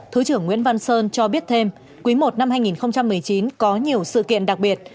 thứ trưởng nguyễn văn sơn cho biết thêm quý i năm hai nghìn một mươi chín có nhiều sự kiện đặc biệt